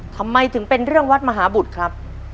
ทำไมถึงเป็นเรื่องวัดมหาบุตรครับ